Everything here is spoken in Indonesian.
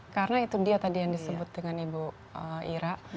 karena itu dia tadi yang disebut dengan ibu ira